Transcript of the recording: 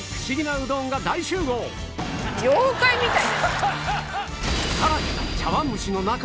妖怪みたい。